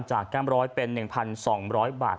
จากกล้ามร้อยเป็น๑๒๐๐บาท